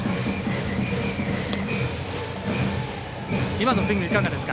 今のスイングいかがですか？